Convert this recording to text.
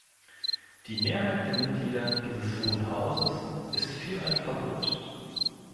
Die Mehrheit der Mitglieder dieses Hohen Hauses ist für ein Verbot.